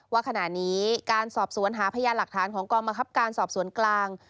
ว่าขณะนี้การสอบสวนหาพยานหลักฐานของกองบังคับการสอบสวนกลาง